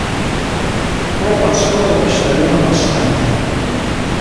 Поп подштопал почтальону подштанник.